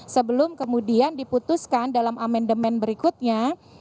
sebelum kemudian diputuskan dalam amendement berikutnya